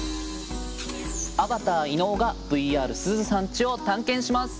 アバター伊野尾がＶＲすずさんちを探検します。